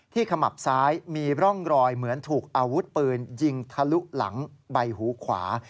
ขมับซ้ายมีร่องรอยเหมือนถูกอาวุธปืนยิงทะลุหลังใบหูขวา